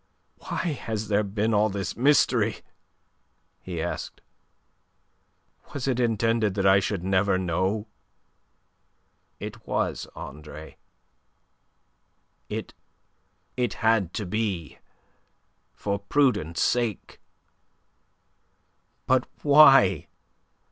why has there been all this mystery?" he asked. "Was it intended that I should never know?" "It was, Andre. It... it had to be, for prudence' sake." "But why?